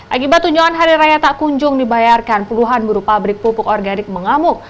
akibat tunjuan hari raya tak kunjung dibayarkan puluhan buru pabrik pupuk organik mengamuk